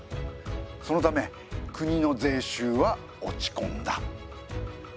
そのため国の税収は落ち込んだ。